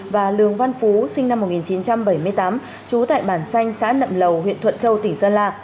và lường văn phú sinh năm một nghìn chín trăm bảy mươi tám trú tại bản xanh xã nậm lầu huyện thuận châu tỉnh sơn la